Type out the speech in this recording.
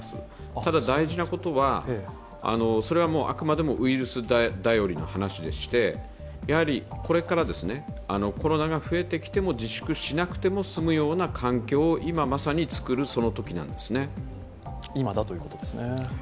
ただ大事なことは、それはあくまでもウイルス頼りの話でしてこれからコロナが増えてきても自粛しなくても済むような環境を今まさに作るそのときなんですね。